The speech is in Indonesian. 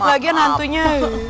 ih lagi hantunya